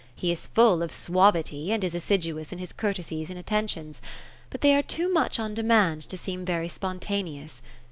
He is full of suavity, and is assiduous in his courtesies and attentions ; but they are too much on demand, to seem very spontaneous.